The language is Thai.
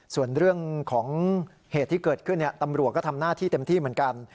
ส่วนเรื่องของเหตุที่เกิดขึ้นตำรวจก็ทำหน้าที่เต็มที่เหมือนกัน